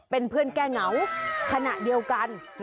เป็นเพื่อนแก้เหงาขณะเดียวกัน